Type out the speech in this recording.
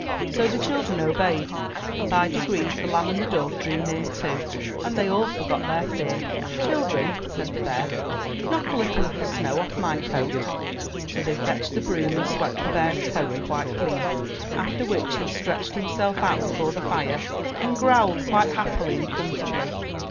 '' So the chil dren obeyed and by degrees the lamb and the dove drew near too, and they all forgot their fear. * 'Children," said the bear, ''knock a little of the snow off my coat." So they fetched the broom and swept the bear's coat quite clean. After which he stretched himself out before the fire and growled quite happily and comfortably.